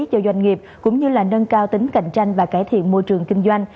cho doanh nghiệp cũng như là nâng cao tính cạnh tranh và cải thiện môi trường kinh doanh